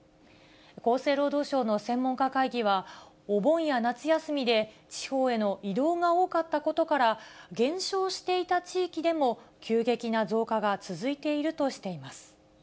厚生労働省の専門家会議は、お盆や夏休みで、地方への移動が多かったことから、減少していた地域でも、急激な増加が続いているとしています。